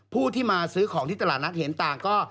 ผู้ที่มาซื้อของที่ตลาดนัดเห็นต่างก็